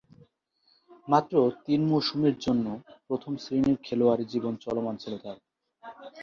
মাত্র তিন মৌসুমের জন্যে প্রথম-শ্রেণীর খেলোয়াড়ী জীবন চলমান ছিল তার।